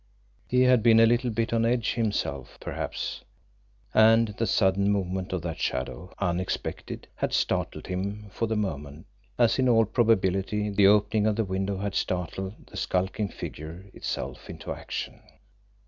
He had been a little bit on edge himself, perhaps, and the sudden movement of that shadow, unexpected, had startled him for the moment, as, in all probability, the opening of the window had startled the skulking figure itself into action.